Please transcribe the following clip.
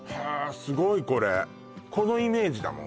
すごいこれこのイメージだもん